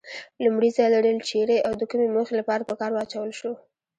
لومړي ځل ریل چیري او د کومې موخې لپاره په کار واچول شو؟